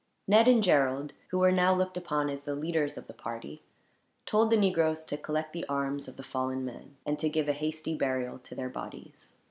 Ned and Gerald, who were now looked upon as the leaders of the party, told the negroes to collect the arms of the fallen men, and to give a hasty burial to their bodies.